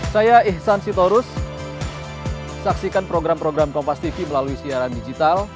saya ihsan sitorus saksikan program program kompas tv melalui siaran digital